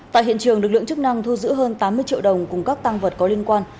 tại hiện trường lực lượng chức năng thu giữ hơn tám mươi triệu đồng cùng các tăng vật có liên quan